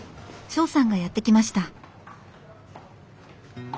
庄さんがやって来ました。